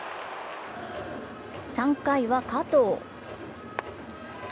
３回は加藤。